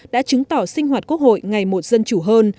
đã chứng tỏ sinh hoạt quốc hội ngày một dân chủ hơn